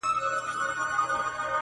دا سړی چي درته ځیر دی مخامخ په آیینه کي-